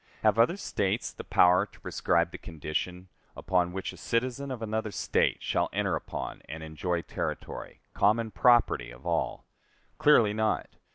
Have other States the power to prescribe the condition upon which a citizen of another State shall enter upon and enjoy territory common property of all? Clearly not.